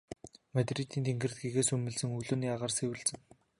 Мадридын тэнгэрт гэгээ сүүмэлзэж өглөөний агаар сэвэлзэнэ.